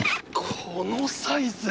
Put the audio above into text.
このサイズ。